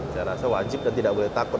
saya rasa wajib dan tidak boleh takut